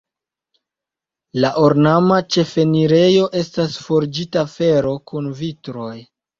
La ornama ĉefenirejo estas forĝita fero kun vitroj.